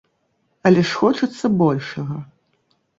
Але ж хочацца большага.